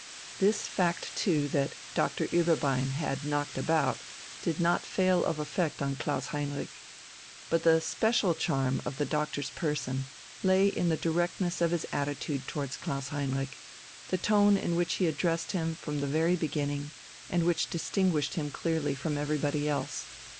This fact too, that Doctor Ueberbein had "knocked about," did not fail of effect on Klaus Heinrich. But the especial charm of the doctor's person lay in the directness of his attitude towards Klaus Heinrich, the tone in which he addressed him from the very beginning, and which distinguished him clearly from everybody else.